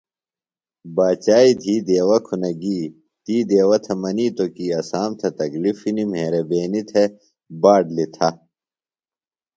باچائی دہی دیوہ کُھنہ گی۔ تی دیوہ تھےۡ منِیتوۡ کی اسام تھےۡ تکلِف ہِنیۡ، مہربینی تھےۡ باٹ لِتھہ۔